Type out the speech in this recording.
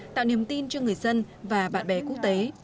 tạo niềm tin cho người dân và bạn bè quốc tế